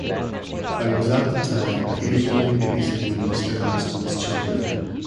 I was at the time occasionally babysitting Mr. Aston's children.